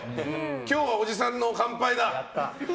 今日はおじさんの完敗だ。